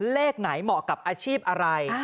เลขไหนเหมาะกับอาชีพอะไร